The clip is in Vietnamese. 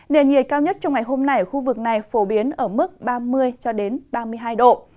nền nhiệt cao nhất trong ngày hôm nay ở khu vực này phổ biến ở mức ba mươi cho đến ba mươi hai độ